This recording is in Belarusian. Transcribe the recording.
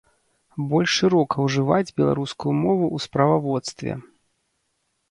Больш шырока ўжываць беларускую мову ў справаводстве.